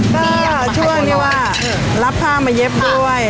ก็ช่วยนี่ว่ารับผ้ามาเย็บด้วย